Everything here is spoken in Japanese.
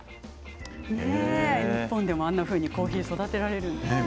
日本でもあんなふうにコーヒーを育てられるんですね。